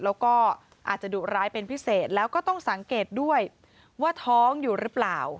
แล้วก็อาจจะดุร้ายเป็นพิเศษแล้วก็ต้องสังเกตด้วยว่าท้องอยู่หรือเปล่า